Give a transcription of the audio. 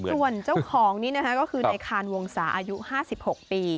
ส่วนเจ้าของนี่นะคะก็คือในคานวงศาอายุ๕๖ปี